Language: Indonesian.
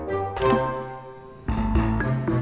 jadi ya kayak jadi